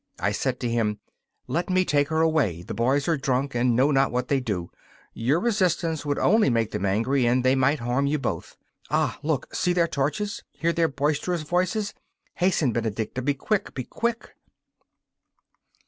I said to him: 'Let me take her away; the boys are drunk and know not what they do. Your resistance would only make them angry, and they might harm you both. Ah, look! See their torches; hear their boisterous voices! Hasten, Benedicta be quick, be quick!